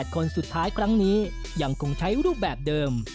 คนสุดท้ายครั้งนี้ยังคงใช้รูปแบบเดิม